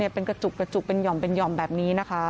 เป็นกระจุกเป็นหย่อมแบบนี้นะคะ